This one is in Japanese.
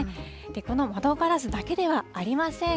この窓ガラスだけではありません。